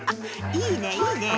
いいねいいねぇ。